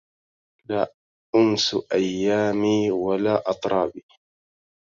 لا أنس أيامي ولا أطرابي